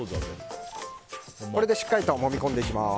これでしっかりともみ込んでいきます。